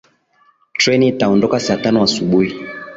Treni itaondoka saa tano asubuhi